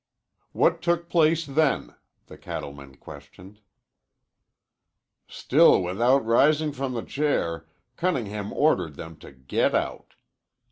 "What took place then?" the cattleman questioned. "Still without rising from the chair, Cunningham ordered them to get out.